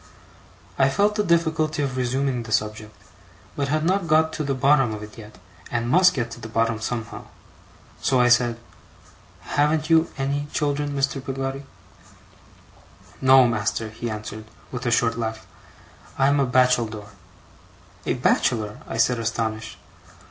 I felt the difficulty of resuming the subject, but had not got to the bottom of it yet, and must get to the bottom somehow. So I said: 'Haven't you ANY children, Mr. Peggotty?' 'No, master,' he answered with a short laugh. 'I'm a bacheldore.' 'A bachelor!' I said, astonished.